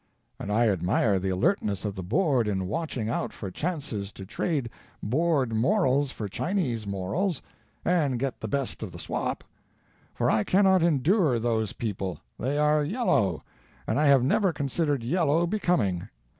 And I admire the alertness of the Board in watching out for chances to trade Board morals for Chinese morals, and get the best of the swap; for I cannot endure those people, they are yellow, and I have never considered yellow be coming.